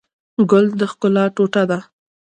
ګل د ښکلا ټوټه ده.